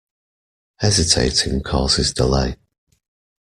Hesitating causes delay.